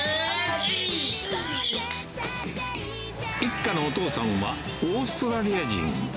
一家のお父さんは、オーストラリア人。